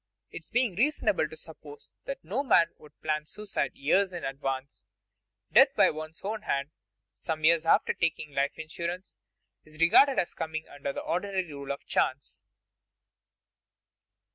It being reasonable to suppose that no man would plan suicide years in advance, death by one's own hand some years after taking life insurance is regarded as coming under the ordinary rule of chance.